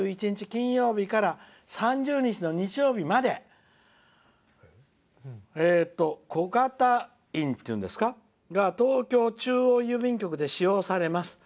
金曜日から３０日の日曜日まで小型印っていうんですか東京中央郵便局で使用されます。